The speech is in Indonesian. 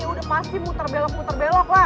udah pasti muter belok muter belok lah